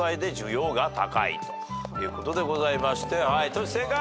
トシ正解。